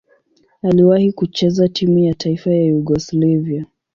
Aliwahi kucheza timu ya taifa ya Yugoslavia.